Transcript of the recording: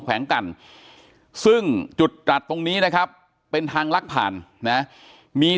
แขวงกันซึ่งจุดตรัสตรงนี้นะครับเป็นทางลักผ่านนะมี